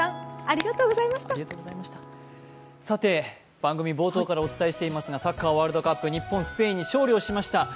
番組冒頭からお伝えしていますが、サッカーワールドカップ、日本、スペインに勝利しました。